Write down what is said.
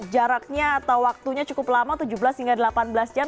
jaraknya atau waktunya cukup lama tujuh belas hingga delapan belas jam